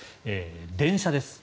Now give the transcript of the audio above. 電車です。